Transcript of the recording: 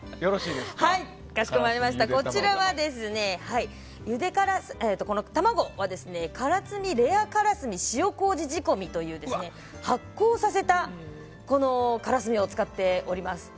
こちらの卵は唐津海レアからすみ塩麹仕込みという発酵させたからすみを使っております。